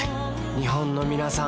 日本のみなさん